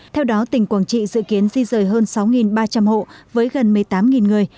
theo đó tỉnh quảng trị dự kiến di rời hơn sáu ba trăm linh hộ với gần một mươi tám người